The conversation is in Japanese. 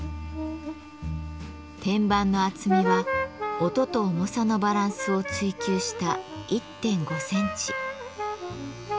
天板の厚みは音と重さのバランスを追求した１．５センチ。